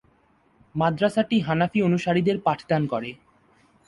মাদ্রাসাটি হানাফি অনুসারীদের পাঠদান করে।